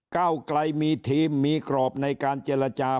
เก้าไกลมีทีมมีกรอบในการเจรจา